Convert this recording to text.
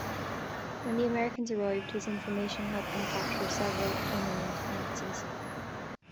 When the Americans arrived, his information helped them capture several eminent Nazis.